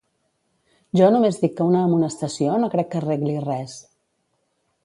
Jo només dic que una amonestació no crec que arregli res.